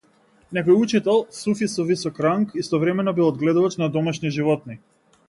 Некој учител, суфи со висок ранг, истовремено бил одгледувач на домашни животни.